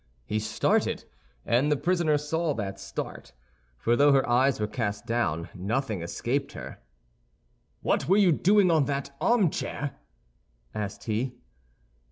He started, and the prisoner saw that start—for though her eyes were cast down, nothing escaped her. "What were you doing on that armchair?" asked he.